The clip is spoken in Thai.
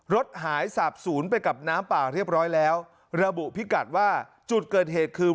รถหายสาบศูนย์ไปกับน้ำป่าเรียบร้อยแล้วระบุพิกัดว่าจุดเกิดเหตุคือ